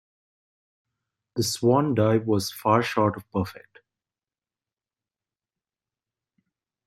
The swan dive was far short of perfect.